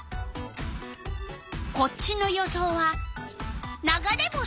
こっちの予想は「流れ星」？